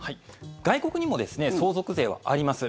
外国にも相続税はあります。